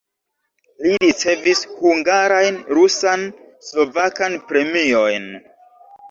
Li ricevis hungarajn rusan, slovakan premiojn.